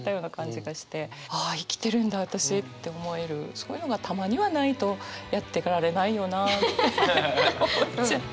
そういうのがたまにはないとやってかれないよな思っちゃう。